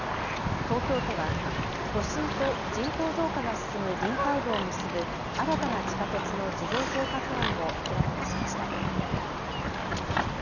東京都は都心と人口増加が進む臨海部を結ぶ新たな地下鉄の事業計画案を明らかにしました。